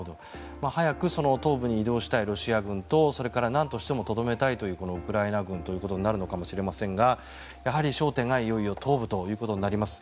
早く東部に移動したいロシア軍とそれからなんとしてもとどめたいというウクライナ軍ということになるのかもしれませんがやはり焦点がいよいよ東部ということになります。